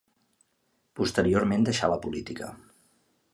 Posteriorment deixà la política.